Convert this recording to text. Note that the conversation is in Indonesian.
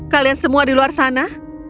kalian semua di luar sana